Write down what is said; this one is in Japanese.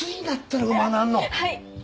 はい。